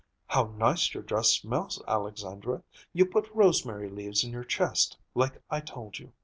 "How nice your dress smells, Alexandra; you put rosemary leaves in your chest, like I told you."